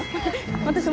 私も。